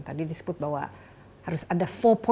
tapi juga harus ada empat